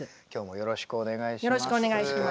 よろしくお願いします。